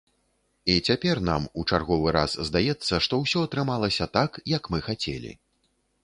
І цяпер нам у чарговы раз здаецца, што усё атрымалася так, як мы хацелі.